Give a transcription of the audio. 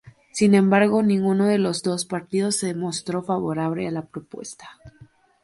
Sin embargo, ninguno de los dos partidos se mostró favorable a la propuesta.